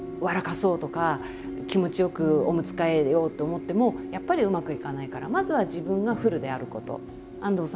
そうとか気持ちよくおむつ替えようと思ってもやっぱりうまくいかないからまずは自分がフルであること。